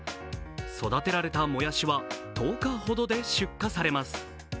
育てられたもやしは１０日ほどで出荷されます。